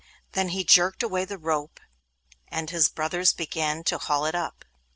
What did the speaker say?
Then he jerked away at the rope and his brothers began to haul it up.